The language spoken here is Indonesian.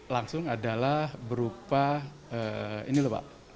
langsung adalah berupa ini lho pak